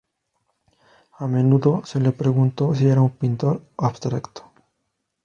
A menudo se le preguntó si era un pintor abstracto.